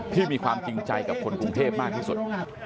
มีความจริงใจกับคนกรุงเทพมากที่สุด